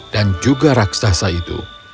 dan juga raksasa itu